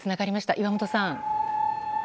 岩本さん。